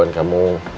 terima kasih pak